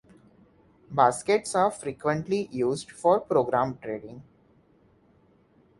Baskets are frequently used for program trading.